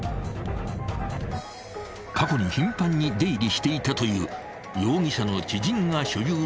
［過去に頻繁に出入りしていたという］